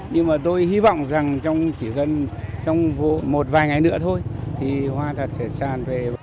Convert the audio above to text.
nhưng mà tôi hy vọng rằng chỉ gần trong một vài ngày nữa thôi thì hoa thật sẽ tràn về